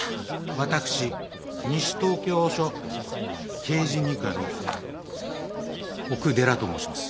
私西東京署刑事二課の奥寺と申します。